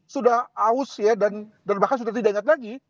sudah aus ya dan bahkan sudah tidak ingat lagi